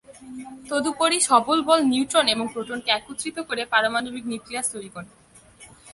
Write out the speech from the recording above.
তদুপরি, সবল বল নিউট্রন এবং প্রোটন কে একত্রিত করে পারমাণবিক নিউক্লিয়াস তৈরি করে।